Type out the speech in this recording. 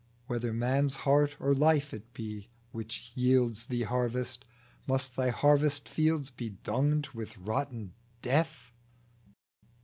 Whether man's heart or life it be which yields Thee harvest, must Thy harvest fields Be dunged with rotten death